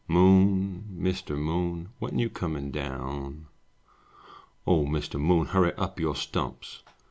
Moon, Mr. Moon, When you comin* down? O Mr. Moon, Hurry up your stumps!